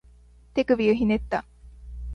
手首をひねった